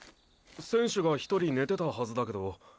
選手が１人寝てたはずだけど。